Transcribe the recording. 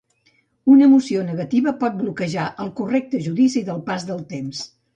Una emoció negativa pot bloquejar el correcte judici del pas del temps.